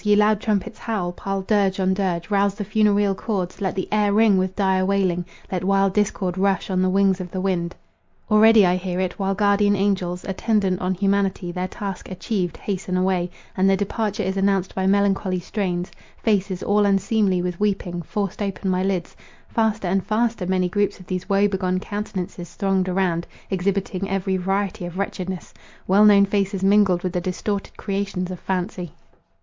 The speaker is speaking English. ye loud trumpets, howl! Pile dirge on dirge; rouse the funereal chords; let the air ring with dire wailing; let wild discord rush on the wings of the wind! Already I hear it, while guardian angels, attendant on humanity, their task achieved, hasten away, and their departure is announced by melancholy strains; faces all unseemly with weeping, forced open my lids; faster and faster many groups of these woe begone countenances thronged around, exhibiting every variety of wretchedness—well known faces mingled with the distorted creations of fancy.